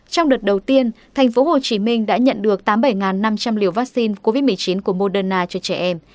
trong đợt đầu tiên tp hcm đã nhận được tám mươi bảy năm trăm linh liều vaccine covid một mươi chín của moderna cho trẻ em